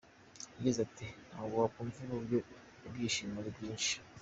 Yagize ati : “Ntabwo wakumva uburyo ibyishimo ari byinshi.